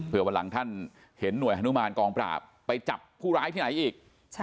เพื่อวันหลังท่านเห็นหน่วยฮานุมานกองปราบไปจับผู้ร้ายที่ไหนอีก